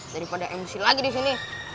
daripada mc lagi disini